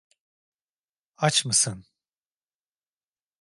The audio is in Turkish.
Aç mısın?